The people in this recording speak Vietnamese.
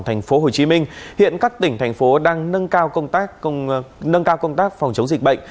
thành phố hồ chí minh hiện các tỉnh thành phố đang nâng cao công tác phòng chống dịch bệnh